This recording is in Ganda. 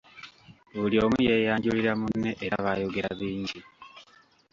Buli omu yeeyanjulira munne era baayogera bingi.